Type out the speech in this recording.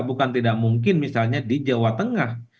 bukan tidak mungkin misalnya di jawa tengah